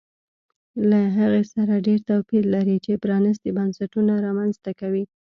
له هغې سره ډېر توپیر لري چې پرانیستي بنسټونه رامنځته کوي